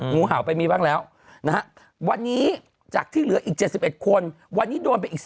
งูเห่าไปมีบ้างแล้วนะฮะวันนี้จากที่เหลืออีก๗๑คนวันนี้โดนไปอีก